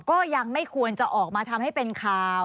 ก็ยังไม่ควรจะออกมาทำให้เป็นข่าว